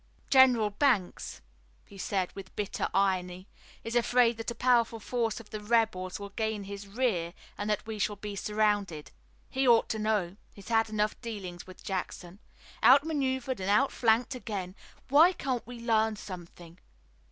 "General Banks," he said with bitter irony, "is afraid that a powerful force of the rebels will gain his rear and that we shall be surrounded. He ought to know. He has had enough dealings with Jackson. Outmaneuvered and outflanked again! Why can't we learn something?"